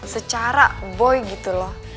secara boy gitu loh